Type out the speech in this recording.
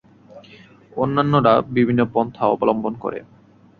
অন্যান্যরা ভিন্ন পন্থা অবলম্বন করে।